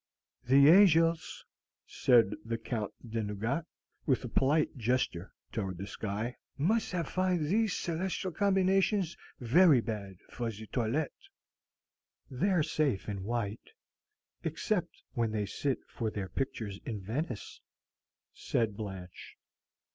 "The angels," said the Count de Nugat, with a polite gesture toward the sky, "must have find these celestial combinations very bad for the toilette." "They're safe in white, except when they sit for their pictures in Venice," said Blanche.